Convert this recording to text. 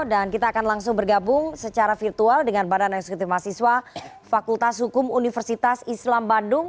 dan kita akan langsung bergabung secara virtual dengan badan eksekutif mahasiswa fakultas hukum universitas islam bandung